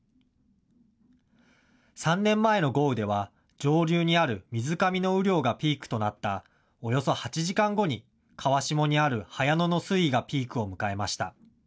３年前の豪雨では、上流にある水上の雨量がピークとなったおよそ８時間後に川下にある早野の水位がピークを迎えました。